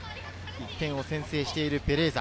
１点を先制しているベレーザ。